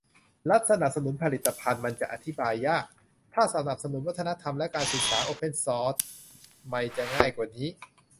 รัฐสนับสนุนผลิตภัณฑ์มันจะอธิบายยาก ถ้าสนับสนุนวัฒนธรรมและการศึกษาโอเพนซอร์สมัยจะง่ายกว่านี้